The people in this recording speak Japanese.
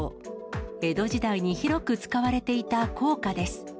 江戸時代に広く使われていた硬貨です。